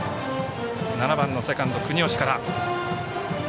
７番セカンド、國吉から。